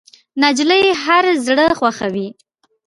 نجلۍ هر زړه خوښوي.